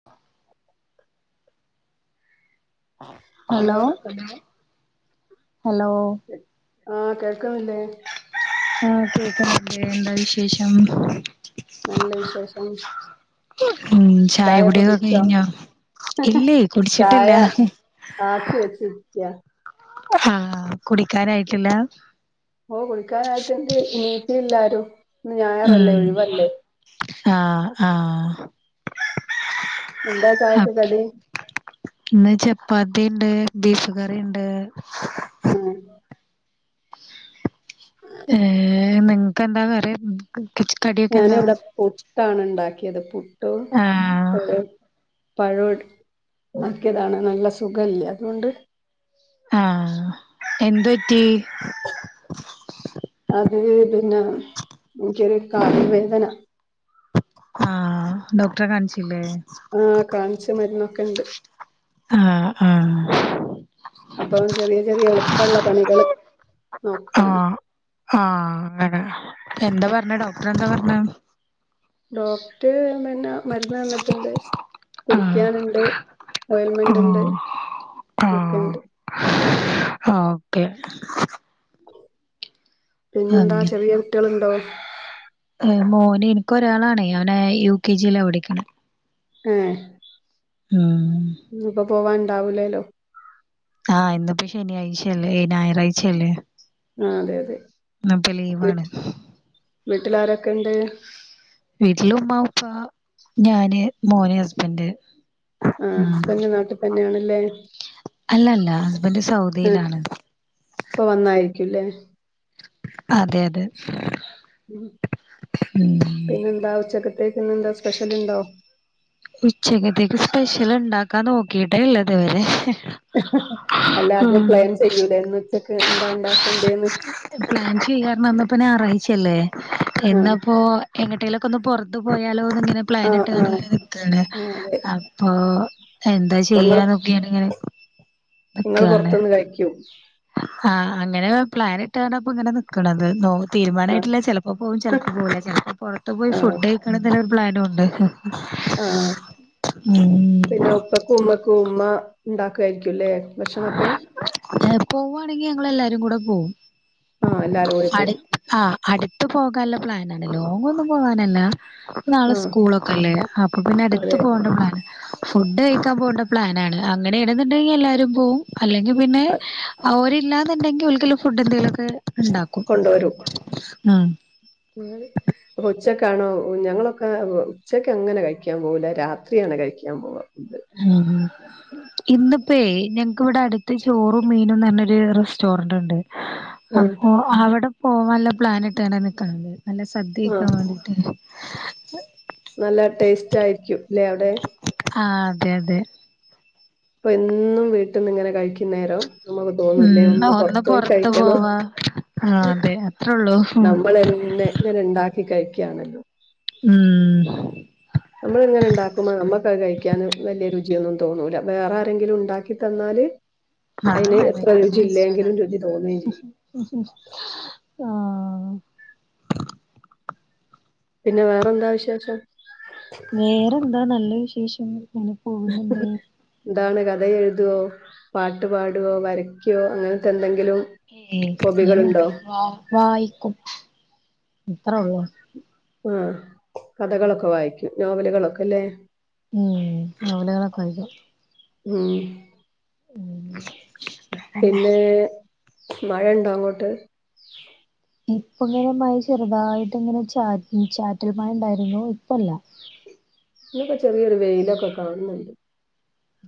[inaudible] Hello hello ആഹ് കേൾക്കുന്നില്ലേ? ആഹ് കേക്കുന്നുണ്ട് എന്താ വിശേഷം? നല്ല വിശേഷം ഉം ചായൊക്കെ ചായകുടിയൊക്കെ കുടിച്ചോ കഴിഞ്ഞോ? ഇല്ല കുടിച്ചിട്ടില്ല ചായ ആക്കി വച്ചിരിക്കാ ആഹ കുടിക്കാനായിട്ടില്ല? ഓ കുടിക്കാനായിട്ട്ണ്ട് എണീറ്റ് എല്ലാരും ന്ന് ഉം ഞായാറല്ലേ ഒഴിവല്ലേ? ആഹ് ആഹ് എന്താ ചായക്ക് അപ് കടി? ഇന്ന് ചപ്പാത്തി ഉണ്ട്, ബീഫ് കറി ഉണ്ട് ഉം ഏഹ് നിങ്ങക്ക് എന്താ കറി, കടിയൊക്കെ എന്താ? ഞാനിവിടെ പുട്ടാണ് ഉണ്ടാക്കിയത് പുട്ടു ആഹ് പഴോ ആക്കിയതാണ് നല്ല സുഖല്ല അതുകൊണ്ട് ആഹ് എന്ത് പറ്റി? അത് പിന്നെ എനിക്കൊരു കാല് വേദന ആഹ് ഡോക്ടറെ കാണിച്ചില്ലേ? ആഹ് കാണിച്ച്, മരുന്നൊക്കെണ്ട് ആഹ് ആഹ് അപ്പൊ ചെറിയ ചെറിയ എളുപ്പമുള്ള പണികൾ നോക്കുകയാണ് ആഹ് ആഹ് ഹഹ എന്താ പറഞ്ഞ ഡോക്ടറെന്താ പറഞ്ഞേ? ഡോക്ടർ പിന്നെ മരുന്ന് തന്നിട്ടുണ്ട് ആഹ് കുടിക്കാനുണ്ട് ഓയിൽമെന്റ് ഉണ്ട് ആഹ് ഒക്കെ ആഹ് ഉണ്ട് ആഹ് ഓക്കേ പിന്നെന്താ അങ്ങനെ ചെറിയ കുട്ടികളുണ്ടോ? ഏഹ് മോന് എനിക്കൊരാളാണ് ഓന് യു കെ ജി യില പഠിക്കണത് ഏ ഉം ഇന്നിപ്പൊ പോവാൻണ്ടാവൂലേല്ലോ ആഹ ഇന്നിപ്പോ ശനിയാഴ്ചയല്ലേ ഏയ്‌ ഞായറാഴ്ചയല്ലേ ആ അതെ അതെ ന്നിപ്പ ലീവാണ് വീട്ടിലാരൊക്കെ ഉണ്ട്? വീട്ടില് ഉമ്മ, ഉപ്പ, ഞാന്, മോന്, ഹസ്ബന്റ് ആ ഉം ഹസ്ബൻഡ് നാട്ടിൽ തന്നെയാണല്ലേ അല്ല അല്ല ഹസ്ബൻഡ് ആ സൗദിയിലാണ് ഇപ്പൊ വന്നതായിരിക്കും ല്ലേ? അതെ അതെ ഉ ഉം പിന്നെന്താ ഉച്ചക്കത്തേക്ക് ന്ന്ന്താ സ്പെഷ്യൽണ്ടോ? ഉച്ചക്കത്തേക്ക് സ്പെഷ്യൽ ഉണ്ടാക്കാൻ നോക്കിട്ടേല്ലിതുവരെ അല്ലാദ്യം പ്ലെൻ ചെയ്യൂലേ ഇന്ന് ഉച്ചക്ക് എന്താ ഉണ്ടാക്കേണ്ടേന്ന്? പ്ലാൻ ചെയ്യാരുന്ന് ന്നിപ്പോ ഞായാറായിച്ചല്ലേ ആ ഇന്നിപ്പോ എങ്ങട്ടേയിലൊക്കെ ഒന്ന് പുറത്തു പോയാലോ ന്നിങ്ങനെ ആ ആ പ്ലാനിട്ടാണ് ആ അതെ അപ്പൊ എന്താ ഇപ്പൊ ചെയ്യാ നോക്കിയാണ് ഇങ്ങനെ നിങ്ങള് പുറത്തുന്ന് കഴിക്കോ? ആഹ അങ്ങനെ പ്ലാനിട്ടാണ്ടാ ഇപ്പ ഇങ്ങനെ നിക്കണത് നോ തീരുമാനായിട്ടില്ല ചെലപ്പം പോവും ചെലപ്പം പോവൂല ചെൽപം പൊർത്ത് പോയി ആ ആ ഫുഡഴി ക്കണംന്ന്ള്ള രു പ്ലാനൂണ്ട് ആ ഉം [unintelligible] കുമ്മക്ക ഉമ്മ ഉണ്ടാക്കായിരിക്കുംല്ലേ ഭക്ഷണൊക്കെ. പോവ്വാണെങ്കി ഞങ്ങളെല്ലാരുങ്കൂടെ പോവും ആഹ എല്ലാരും കൂടി അടു പോകും. ആഹ് അടുത്ത് പോകാന്ള്ളപ്ലാന്ണ്ട് ലോങ്ങൊന്നും പോവാനല്ല. നാളെ ആഹ് സ്കൂളൊക്കെല്ലേ അപ്പൊ പിന്നെ അടുത്ത് അതെ പോകണ്ട. ഫുഡ് കഴിക്കാൻ പോവണ്ട പ്ലാനാണ്ണ് അങ്ങനെ ആണ് നിണ്ടെങ്കിൽ എല്ലാവരും പോകും. അല്ലെങ്കിൽ പിന്നെ അ- അവര്ല്ലാന്നുണ്ടെങ്കിൽ ഓല്ക്കില ഫുഡ് എന്തൊലൊക്ക. ഇണ്ടാക്കും കൊണ്ടുവരും ഉം [unintelligible] അപ്പൊ ഉച്ചക്കാണോ ഞങ്ങളൊക്കെ ഉച്ചക്ക് അങ്ങനെ കഴിക്കാൻ പോവുല്ല രാത്രിയാണ് കഴിക്കാൻ പോവുക. ഉം ഉം ഇന്നിപ്പെയ് ഞങ്ങക്ക് ഇവിടെ അടുത്ത് ചോറും മീനും പറഞ്ഞൊരു റെസ്റ്റോറന്റ് ഇണ്ട്. ആഹ് അപ്പൊ അവിടെ പോവാന്ള്ള പ്ലാനിട്ട് നിക്കാ നല്ല സദ്യ ആഹ് കഴിക്കാൻ വേണ്ടി. [unintelligible] നല്ല ടേസ്റ്റ് ആയിരിക്കും ല്ലെ അവിടെ. ആ അതെ അതെ. എന്നും വീട്ടിന്ന് ഇങ്ങനെ കഴിക്കുന്നേരം. നമുക്ക് തോന്നുലേ ഉം ഒന്ന് പൊറത്തു പോയി പൊറത്ത് കഴിക്കണം. പോവാ ആഹ് അതെ അത്രേള്ളൂ ഉം നമ്മളെന്നെ ഇങ്ങനെ ഇണ്ടാക്കി കഴിക്കയാണല്ലോ? ഉം നമ്മള് ഇങ്ങനെ ഉണ്ടാക്കുമ്പോ നമ്മക്കത് കഴിക്കാന് വല്യ രുചിയൊന്നും തോന്നൂല്ല വേറെ ആരെങ്കിലും ഇണ്ടാക്കി തന്നാല്. ആ അയിന് എത്ര രുചി ഇല്ലെങ്കിലും രുചി തോന്നുകയും ചെയ്യും [unintelligible] ആ പിന്നെ വേറെന്താ വിശേഷം? വേറെന്താ നല്ല വിശേഷം ഉം. [unintelligible] [inaudible] എന്താണ് കഥ എഴുതോ പാട്ട് പാടോ വരക്കുവോ അങ്ങനത്തെ എന്തെങ്കിലും. [unintelligible] ഞൻ ഹോബികളുണ്ടോ വായിക്കും എത്രേ ഒള്ളു. ആഹ കഥകളൊക്കെ വായിക്കും നോവലുകളൊക്കെ ല്ലേ. ഉം നോവലുകളൊക്കെ വായിക്കും. ഉം പിന്നെ. മഴണ്ടോ അങ്ങോട്ട്? ഇപ്പ ഇങ്ങനെ മഴ ചെറുതായിട്ട് ഇങ്ങനെ ചാ ചാറ്റൽ മഴ ഉണ്ടായിരുന്നു ഇപ്പല്ല. ഇവിടെ ചെറിയൊരു വെയിലൊക്കെ കാണുന്നുണ്ട്.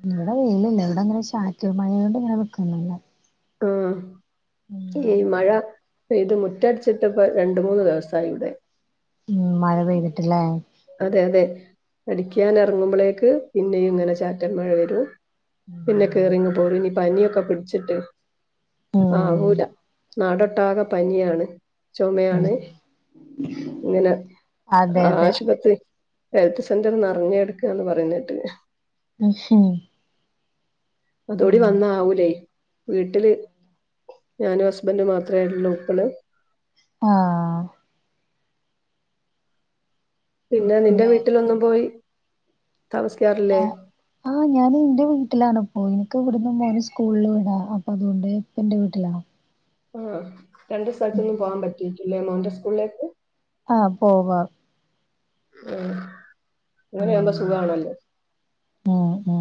ഇവിടെ വെയിലില്ല ഇവിടെ ഇങ്ങനെ ചാറ്റൽ മഴോണ്ട് ഇങ്ങനെ നിക്ക്ന്നില്ല. ആം ഈമഴ. പെയ്ത് മുറ്റടിച്ചിട്ടിപ്പ രണ്ട് മൂന്ന് ദിവസമായി ഇവിടെ. ഉ മഴ പെയ്തിട്ട് ല്ലേ? അതെ അതെ അടിക്കൻ ഇറങ്ങുമ്പോളേക്ക് പിന്നെയും ഇങ്ങനെ ചാറ്റൻ മഴ വരൂ. പിന്നെ കേറിങ്ങ് പോരും ഇനി പനിയൊക്കെ പിടിച്ചിട്ട് ഉം ആവൂല. ന്നാടൊട്ടാകെ പനിയാണ്. ചൊമയാണ്. ങ്ങനെ അതെ അതെ ആശുപ ഹെൽത്ത് സെന്ററ് നർഞ്ഞെട് ക്കാന്ന് പറയുന്നേട്ട് [unintelligible] അതൂടി ഉം വന്നാ ആവൂലേ. വീട്ട്ല് ഞാനും ഹസ്ബെൻ്റും മാത്രേ ള്ളൂ ഇപ്പള്. ആഹ് പിന്നെ നിന്റെ വേ വീട്ടിലൊന്നും പോയി താമസിക്കാറില്ലേ ആഹ്. ഞാന് ന്റെ വീട്ട്ലാണ്പ്പോ. ഇൻക്ക് വ്ട്ന്നും മോന് സ്ക്കൂള്ള് വിടാ. അപ്പൊ അത്കൊണ്ട് പ്പ ൻ്റെ വീട്ടിലാ. ആഹ്. രണ്ട് സ്ഥൽത്ത്ന്നും പോവാൻ പറ്റേക്കുല്ലേ മോൻ്റെ സ് ക്കൂള്ളേക്ക്? ആഹ് പോവാം. ആഹ്. ങ്ങനെയാമ്പൊ സുഖാണല്ലോ മാ മാ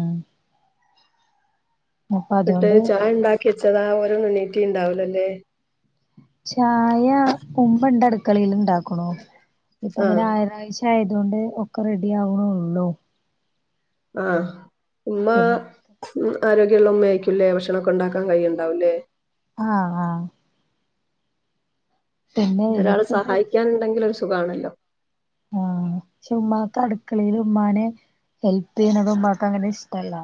ന്ന്ട്ട് അതുകൊണ്ട് ചായ ണ്ടാക്കിച്ചെതാ. ഓലൊന്നെണീറ്റീണ്ടാവ് ല്ലലേ? ചായ ഉമ്മണ്ടട്ക്കളേല് ണ്ടാക്ക്ണൂ. ഇപ്പ ആ [unintelligible] ച്ച് നേയതോണ്ട് ഒക്കെ റെഡി ആവ്ണൊള്ളൂ. ആഹ് ഉമ്മാ പിന്നെ ആരോഗ്യള്ള ഉമ്മയായിരിക്കൂല്ലേ ഭക്ഷണൊക്കെ ഉണ്ടാക്കൻ കയ്യുണ്ടാവൂംല്ലേ ആഹ്ആഹ് പിന്നെ ഒരാള് എനിക്ക് ബ്രേക്ക് സഹായിക്കാന്ണ്ടെങ്കിലൊര് സുഖാണല്ലൊ ആഹ്. ക്ഷെ ഉമ്മാക്ക് അട്ക്കളേല് ഉമ്മാനെ ഹെൽപ്പെയ്യ്ണതും ഉമ്മാക്ക അങ്ങനെ ഇഷ്ടല്ല.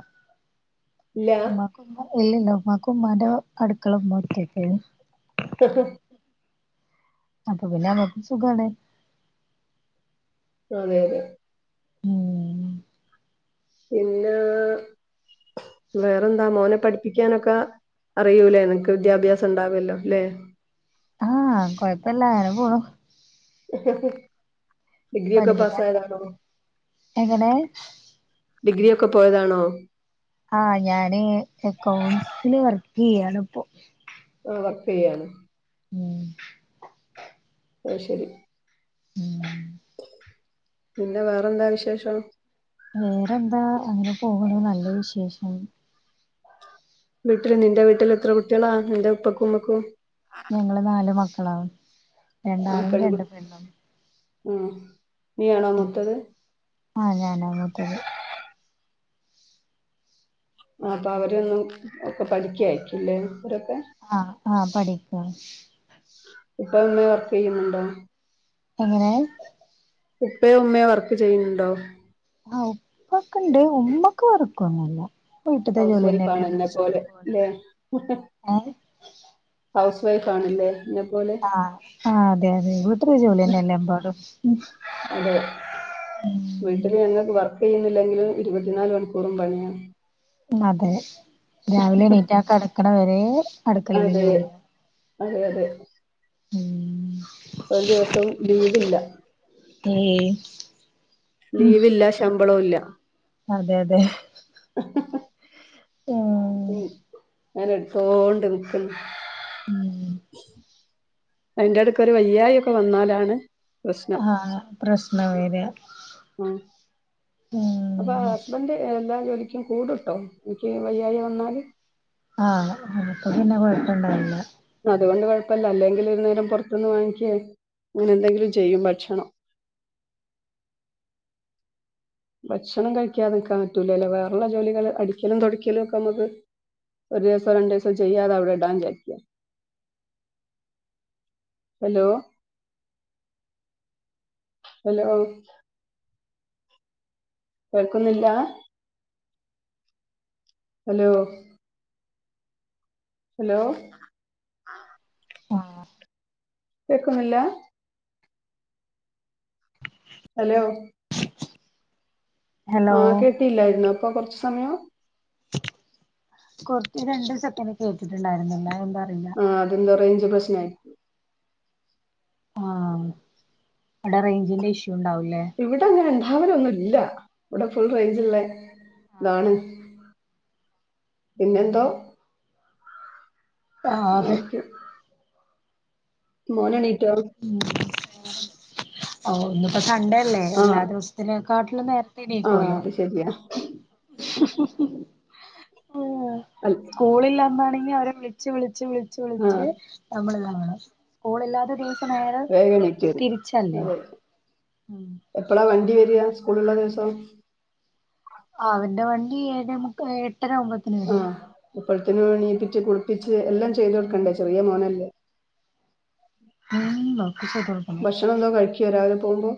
ഇല്ല ഉമ്മാക് [unintelligible] എല്ലിണ്ടാവും. ഉമ്മാക്ക് ഉമ്മാന്റെ അട്ക്കള ഉമ്മാക്ക് [unintelligible] അഹ് അപ്പംപിന്നെ അമ്മക്കും സുഖാണ് അതെ അതെ ഉം പിന്നാ വേറെന്താ മോനെ പഠിപ്പിക്കാനൊക്കാ അറിയൂലേ. നിൻക്ക് വിദ്യാഭ്യാസം ഉണ്ടാവല്ലോ ലേ? ആഹ്. കൊഴപ്പല്ല. നെപോണു. ഡിഗ്രി ഒക്കെ പഠിപ്പിക്കാൻ പാസായതാണോ? എങ്ങനെ ഡിഗ്രി ഒക്കെ പോയതാണോ? ആഹ്. ഞാന് എക്കൗണ്ട്സില് വർക്കെയ്യാണ്പ്പൊ. ആഹ് വർക്കെയ്യാണ് ഉം അഅ് ശരി. ഉം പിന്നെ വേറെന്താ വിശേഷം വേറെന്താ അങ്ങനെ പോണ്. നല്ല വിശേഷം വീട്ട്‌ല് നിന്റെ വീട്ട്ല് എത്ര കുട്ട്യളാ? നിന്റെ ഉപ്പക്കും ഉമ്മക്കും. ഞങ്ങള് നാല് മക്കളാ. ആ രണ്ടാണും, പെൺകു രണ്ട് പെണ്ണും. ഉം. നീയാണോ മൂത്തത്? ആഹ്. ഞാനാ മൂത്തത്. ആഹ് അപ്പൊ അവര് ഒക്കെ പഠിക്കയായിരിക്കുംല്ലേ. അവ് രൊക്കെ ആഹ് ആഹ് പഠിക്കാ ഇപ്പെ [unintelligible] വർക്കെയ്യ്ന്ന് ണ്ടോ? എങ്ങനെ ഉപ്പയും ഉമ്മയും വർക്ക് ചെയ്യുന്ന്ണ്ടോ? ആഹ്. ഉപ്പക്ക്ണ്ട്. ഉമ്മക്ക് വർക്കൊന്നുല്ല. പ്പൊ വീട്ട് തെന്നെ ഹൗസ് വൈഫ് ആണ് [unintelligible] എന്നെ ഇഷ്ടം പോലെ. ല്ലെ ഏ ഹൗസ് വൈഫ് ആണ് ല്ലേ? ആഹ്. ആഹ് അതെ അതെ വീട്ട്ത്തെ ജോലിയെന്നെല്ലെ എമ്പാടും. ഉം വീട്ട് ല് [unintelligible] യ്യ്ന്നില്ലെങ്കില് ഇരുപത്തിനാല് മണിക്കൂറും പണിയാ ഉം അതെ രാവിലെ എണീറ്റാ കടക്ക്ണെ വെരേ അതേ അതെ അതെ ഊം ഒര് ദിവസം ലീവില്ല ഏയ് ഉം ലീവില്ല ശമ്പളവും ഇല്ലാ അതെ അതെ ഉം ഉം ഞാന് എട്തോണ്ട് നിക്ക്ന്ന് അയ്ന്റെടെക്കൊര് വയ്യായാെക്കെ വന്നാലാണ് പ്രശ്നം ആഹ് പ്രശ്നം വെരാ ഉം ഉം അപ്പൊ ആഹ് ഹസ്ബൻഡ് എല്ലാ ജോലിക്കും കൂടുട്ടോ നിക്ക് വയ്യായ വന്നാല് ആഹ് അന്നപ്പാെ പിന്നെ കൊഴപ്പണ്ടാവില്ല അതുകൊണ്ട് കൊഴപ്പല്ല അല്ലെങ്കില് ഒര് നേരം പൊർത്ത്ന്ന് വാങ്ങിക്ക്യേ അങ്ങെനെ എന്തെങ്കിലും ചെയ്യും ഭക്ഷണം ഭക്ഷണം കഴിക്കാതെ നിക്കാൻ പറ്റൂലല്ലേ വേറെള്ള ജോലികള് അടിക്കലും തൊടിക്കലും ഓക്കെ മ്മക്ക് ഒര് ദിവസാെ രണ്ട് ദിവസാെ ചെയ്യാതെ അവിടെടാന്ന് വിചാരിക്കാ ഹെലോ ഹെലോ കേൾക്കുന്നില്ലാ ഹലോ ഹലോ ആഹ് കേക്കുന്നില്ലാ ഹലോ ഹലോ ആഹ് കേട്ടീല്ലായിര്ന്നാേ പ്പൊ കൊർച്ച് സമയം കൊർച്ച് രണ്ട് സെക്കെന്റ് കേട്ടിട്ട്ണ്ടായ്ര്ന്നില്ലാ എന്താ അറിയില്ല ആഹ് അതെന്തോ റെയ്ഞ്ച് പ്രശ്നായി ആഹ് അവ്ടെ റെയ്ഞ്ചിന്റെ ഇഷ്യൂണ്ടാവുല്ലേ ഇവ്ടെ അങ്ങെനെണ്ടാവലൊന്നുല്ലാ വ്ടെ ഫുൾ റെയ്ഞ്ച്ള്ളെതാണ് പിന്നെന്തോ ആഹ് അതെ ആയിരിക്കും മോനെണീറ്റോ ഉം ഓ ഇന്ന്പ്പോ സണ്ടേ അല്ലേ ആ എല്ലാ ദിവസ്ത്തിനെക്കാട്ടിലും നേര് ആ ത്തെണീക്കോലോ അത് ശരിയാ ആഹ് അൽ സ്കൂളില്ലന്നാണെങ്കി അവരെ വിളിച്ച് വിളിച്ച് വിളിച്ച് ആ വിളിച്ച് നമ്മള്താവണം സ്കൂളില്ലാതെ ദി വേഗെണിക്കോര് അതെ ഉം എപ്പെളാ വണ്ടി വെരാ സ്കൂള് ള്ള ദിവസം ആഹ് അവന്റെ വണ്ടി ഏഴെമുക്കാ എട്ടെരാവുമ്പ ആഹ് അപ്പോഴ്ത്തിന് എണീപ്പിച്ച് കുളിപ്പിച്ച് എല്ലാം ചെയ്തൊട്ക്കണ്ടേ ചെറിയ മോനല്ലേ ഉം ബാക്ക്കക്കാ ഭക്ഷണെന്തോ കഴിക്കാേ രാവിലെ പോവുമ്പം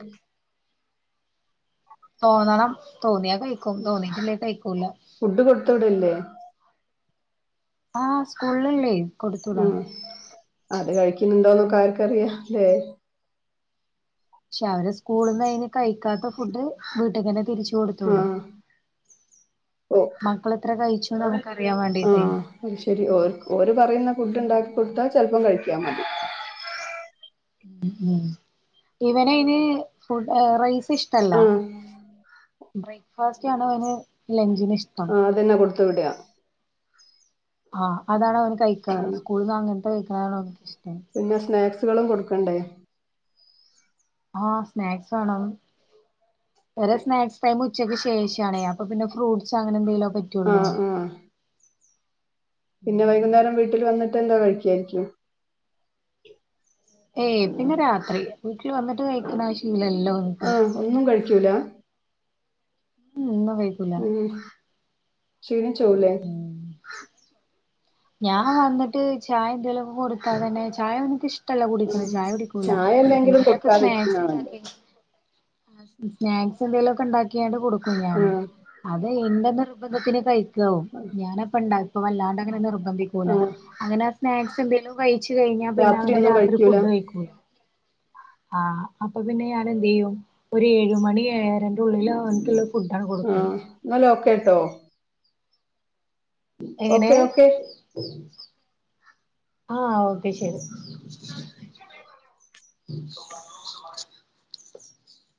തോന്നണം തോന്ന്യാ കഴിക്കും തോന്നീട്ടില്ലേ കഴിക്കൂല്ലാ ഫുഡ് കൊട്ത്ത് വിടൽല്ലേ ആഹ് സ്കൂള് ള്ളേ ഉം അത് കഴിക്ക്ന്ന്ണ്ടോന്നൊക്കെ ആർക്കറിയാം ല്ലേ പക്ഷെ അവരെ സ്കൂളിന്നയ്ന് കഴിക്കാത്ത ഫുഡ് വീട്ട്ക്കന്നെ തിരിച്ച് കൊടുത്ത് വിടും ആഹ് ഓ മക്കെളെത്ര കഴിച്ചൂന്ന് നമ്ക്ക് അറിയാൻ വേണ്ടിട്ടേ അവര് പറയ്ന്ന ഫുഡ്ണ്ടാക്കി കൊട്ത്താ ചെൽപ്പം കഴിക്കാം മതി ഉം ഇവനയിന് ഫുഡ്‌ റൈസ് ഇഷ്ടല്ല ആഹ് ബ്രേക്ക്ഫാസ്റ്റ്ണ് അവന് ലഞ്ചിന്ന് ഇഷ്ട ആഹ് അതന്നെ കൊടുത്തുവിടാ ആഹ് അതാണ് അവന് കഴിക്കാ ആഹ് സ്കൂളിൽന്ന് അങ്ങനത്തെ കഴിക്കനാണ് അവനിഷിട്ടം പിന്നെ സ്നാക്സുകളും കൊടുക്കണ്ടേ ആഹ് സ്നാക്സോണം ഇവരെ സ്നാക്സ്ടൈം ഉച്ചയ്ക്ക് ശേഷം ആണേ അപ്പൊ പിന്നെ ഫ്രൂട്സ് അങ്ങനെ എന്തെങ്കിലൊക്ക ആഹ് ആഹ് പിന്നെ വൈകുന്നേരം വീട്ടിൽ വന്നിട്ട് എന്താ കഴിക്കായിരിക്കും ഏയ് പിന്നെ രാത്രി വീട്ടില് വന്നിട്ട് കഴിക്ക്ണാ ശീലല്ലോ ആഹ് ഒന്നും കഴിക്കൂലാ ഉം [unintelligible] ഉം ക്ഷീണിച്ചോവൂലേ [unintelligible] ഞാൻ വന്നട്ട് ചായ എന്തേലൊക്കെ കൊടുത്താ തന്നെ ചായ അവനിക്കിഷ് ടല്ല ഉം കുടിക്ക്ണ് ചായ കുടിക്കൂല ചായ എന്തെങ്കിലും എന്തോലൊക്കെ കൊടുക്കാതിരിക്കുന്ന നല്ലത് സ്നാക്സ്ണ്ടാക്കി സ്നാക്സ് എന്തെങ്കിലൊക്കെ ഇണ്ടാക്കിയാണ്ട് കൊടുക്കും ഞാന് ആഹ് അത് എന്റെ നിർബന്ധത്തിന് കഴി [unintelligible] ഞാനപ്പണ്ടാക്കു വല്ലാണ്ടങ്ങനെ നിർബന്ധിക്കൂല ആഹ് അങ്ങനെ സ്നാക്സെന്തേലും കയിച്ച് കഴിഞ്ഞാ പിന്നെ അവന് ഒന്നും രാത്രി കഴിക്കൂല ഫുഡ് കഴിക്കൂല ആഹ് അപ്പൊ പിന്നെ ഞാനെന്തെയ്യും ഒരു ഏഴ് മണി ഏഴരൻ്റുള്ളില് അവന്ക്കിള്ള ഉം ന്നാലോക്കേട്ടോ എങ്ങനെ ഓക്കെ ഓക്കെ ആഹ് ഓക്കെ ശരി